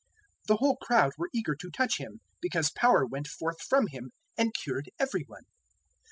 006:019 The whole crowd were eager to touch Him, because power went forth from him and cured every one.